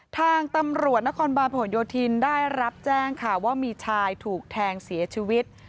ทางตำรวจนครบาลผลโยธินได้รับแจ้งค่ะว่ามีชายถูกแทงเสียชีวิต